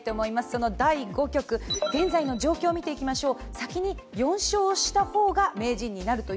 その第５局、現在の状況を見ていきましょう。